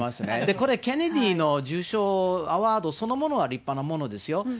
これ、ケネディの受賞、アワードそのものは立派なものですよ。